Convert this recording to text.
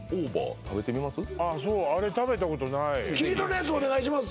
あれ食べたことない黄色のやつお願いします